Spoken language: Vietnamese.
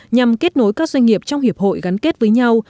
nhằm kết nối các doanh nghiệp trong hiệp hội gắn kết với nhau